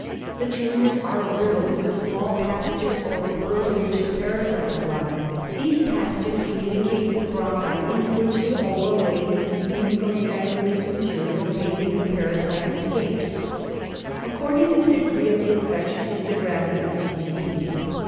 The tumours are riddled with the small passages or burrows in which the parasites lie. These passages communicate with the bronchi into which the ova laden muco san guineous material bathing ^^^^^ pamemimui aaurma^i the parasites escapes. According to the degree of the infection is the gravity of the disease.